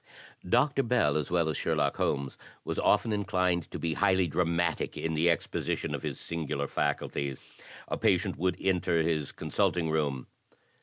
Dr. Bell, as well as Sherlock Holmes, was often inclined to be highly dramatic in the exposition of his singular facul ties. A patient would enter his consulting room.